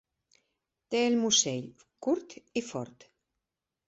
Té el musell curt i fort.